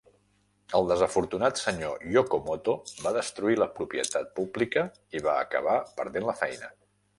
El desafortunat Sr. Yokomoto va destruir la propietat pública i va acabar perdent la feina.